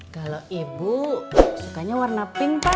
kalau ibu sukanya warna pink pak